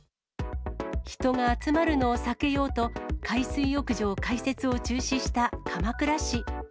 人が集まるのを避けようと、海水浴場開設を中止した鎌倉市。